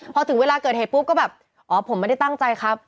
พอถึงเวลาเกิดเหตุปุ๊บก็แบบอ๋อผมไม่ได้ตั้งใจครับ